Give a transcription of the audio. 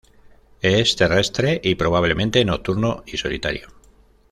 Es terrestre y probablemente nocturno y solitario.